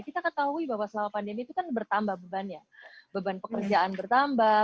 kita ketahui bahwa selama pandemi itu kan bertambah bebannya beban pekerjaan bertambah